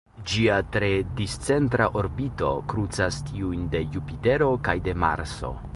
Ĝia tre discentra orbito krucas tiujn de Jupitero kaj de Marso.